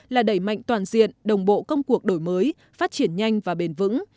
là đẩy mạnh toàn diện đồng bộ công cuộc đổi mới phát triển nhanh và bền vững